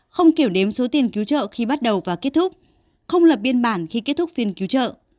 không kiểm đếm số tiền cứu trợ khi bắt đầu và kết thúc không lập biên bản khi kết thúc phiên cứu trợ